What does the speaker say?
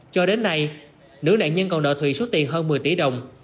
cho đến nay nữ nạn nhân còn nợ thùy số tiền hơn một mươi tỷ đồng